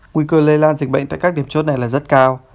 nguy cơ lây lan dịch bệnh tại các điểm chốt này là rất cao